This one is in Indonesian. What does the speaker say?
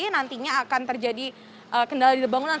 nantinya akan terjadi kendala di bangunan